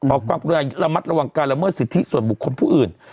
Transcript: ระมัดระวังการละเมิดสิทธิส่วนบุคคลผู้อื่น